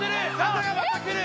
「朝がまた来る」！